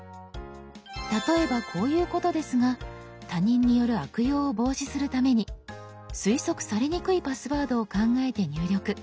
例えばこういうことですが他人による悪用を防止するために推測されにくいパスワードを考えて入力。